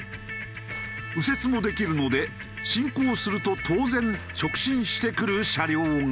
右折もできるので進行すると当然直進してくる車両が。